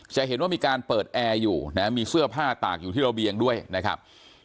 จะเห็นว่ามีการเปิดแอร์อยู่นะมีเสื้อผ้าตากอยู่ที่ระเบียงด้วยนะครับ